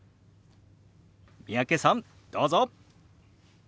三宅さんどうぞ。